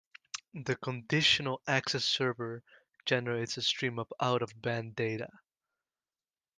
The "Conditional Access Server" generates a stream of out of band data.